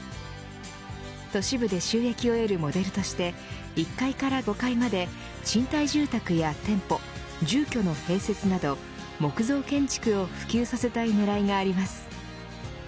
都市部で収益を得るモデルとして１階から５階まで賃貸住宅や店舗住居の併設など、木造建築を普及させたい狙いがあります。